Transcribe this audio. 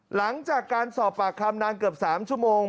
หลังจากการสอบปากคำนานเกือบ๓ชั่วโมง